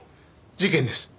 事件です。